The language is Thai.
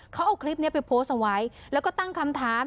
เขาเอาคลิปนี้ไปโพสต์เอาไว้แล้วก็ตั้งคำถาม